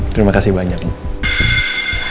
terima kasih banyak bu